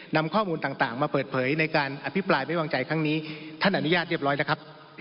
นำข้อมูลต่างมาเปิดเผยในการอภิปรายไม่วางใจครั้งนี้ท่านอนุญาตเรียบร้อยแล้วครับ